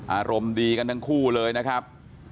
อารมณ์ดีกันทั้งคู่เลยนะครับ